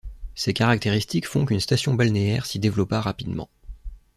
Ces caractéristiques font qu'une station balnéaire s'y développa rapidement.